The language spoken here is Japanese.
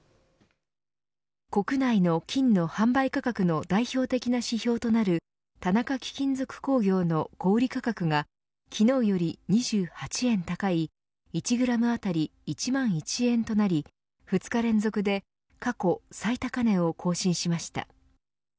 国内の金の販売価格の代表的な指標となる田中貴金属工業の小売り価格が昨日より２８円高い１グラム当たり１万１円となり２日連続で過去最高値を更新しました。